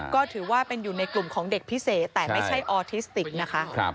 ก็ถือว่าเป็นอยู่ในกลุ่มของเด็กพิเศษแต่ไม่ใช่ออทิสติกนะคะ